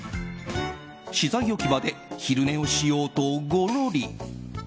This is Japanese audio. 資材置き場で昼寝をしようとゴロリ。